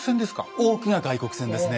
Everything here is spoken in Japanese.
多くが外国船ですね。